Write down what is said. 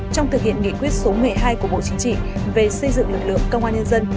trong thực hiện nghị quyết số một mươi hai của bộ chính trị về xây dựng lực lượng công an nhân dân